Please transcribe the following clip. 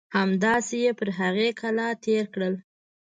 همداسې یې پر هغې کلا تېر کړل.